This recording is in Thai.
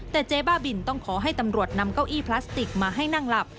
แต่เจ๊บ้าบินต้องขอให้ตำรวจนำเก้าอี้พลาสติกมาให้นั่งหลับ